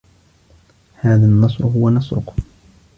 هذا النصر هو نصركم.